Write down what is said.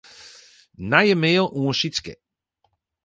Nije mail oan Sytske.